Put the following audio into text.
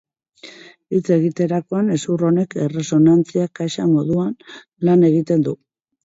Hitz egiterakoan hezur honek erresonantzia-kaxa moduan lan egiten du.